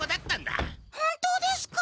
本当ですか？